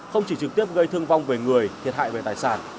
không chỉ trực tiếp gây thương vong về người thiệt hại về tài sản